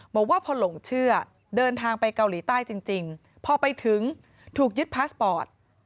บอกว่าพอหลงเชื่อเดินทางไปเกาหลีใต้จริงพอไปถึงถูกยึดพาสปอร์ต